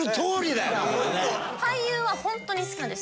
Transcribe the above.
俳優はホントに好きなんです。